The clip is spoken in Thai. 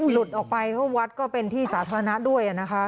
หลุดออกไปเพราะวัดก็เป็นที่สาธารณะด้วยนะคะ